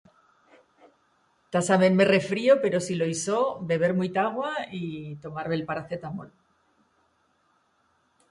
Tasament me refrío pero si lo i so, beber muita agua y tomar bel paracetamol.